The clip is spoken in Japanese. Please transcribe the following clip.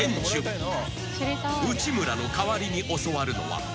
［内村の代わりに教わるのは］